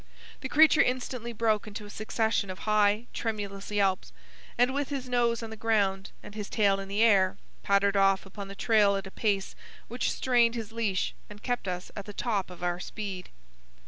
The creature instantly broke into a succession of high, tremulous yelps, and, with his nose on the ground, and his tail in the air, pattered off upon the trail at a pace which strained his leash and kept us at the top of our speed.